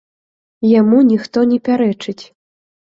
Яму ніхто не пярэчыць.